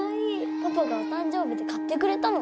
パパがお誕生日で買ってくれたの